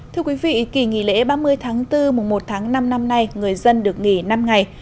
thưa quý vị kỳ nghỉ lễ ba mươi tháng bốn mùa một tháng năm năm nay người dân được nghỉ năm ngày